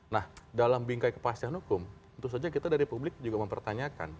nah dalam bingkai kepastian hukum tentu saja kita dari publik juga mempertanyakan